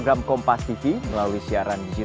berapa lama pak ngantri